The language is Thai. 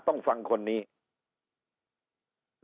ต้องฟังคนหนึ่ง